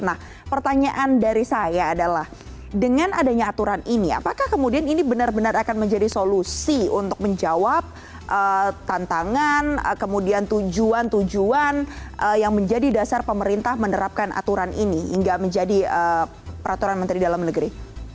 nah pertanyaan dari saya adalah dengan adanya aturan ini apakah kemudian ini benar benar akan menjadi solusi untuk menjawab tantangan kemudian tujuan tujuan yang menjadi dasar pemerintah menerapkan aturan ini hingga menjadi peraturan menteri dalam negeri